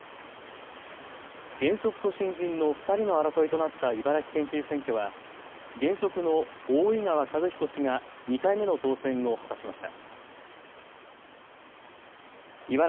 現職と新人の２人の争いとなった茨城県知事選挙は現職の大井川和彦氏が２回目の当選を果たしました。